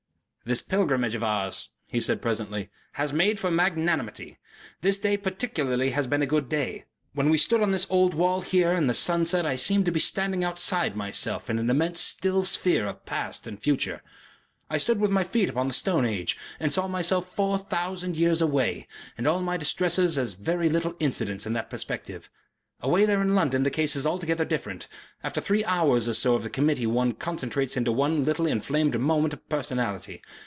"This pilgrimage of ours," he said, presently, "has made for magnanimity. This day particularly has been a good day. When we stood on this old wall here in the sunset I seemed to be standing outside myself in an immense still sphere of past and future. I stood with my feet upon the Stone Age and saw myself four thousand years away, and all my distresses as very little incidents in that perspective. Away there in London the case is altogether different; after three hours or so of the Committee one concentrates into one little inflamed moment of personality.